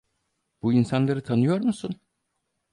Bu insanları tanıyor musun?